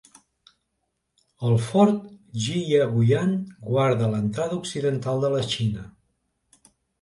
El fort Jiyaguyan guarda l'entrada occidental de la Xina.